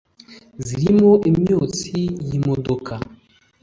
zirimo imyotsi y’imodoka